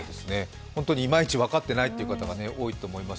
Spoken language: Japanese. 本当にイマイチ分かっていないという方が多いようです。